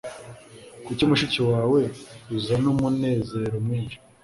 kuri mushiki wawe uzana umunezero mwinshi